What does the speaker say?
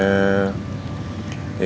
dia bisa menjadi manusia yang baik